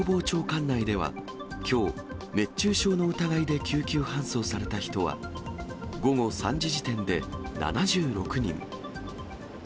管内では、きょう、熱中症の疑いで救急搬送された人は、午後３時時点で７６人。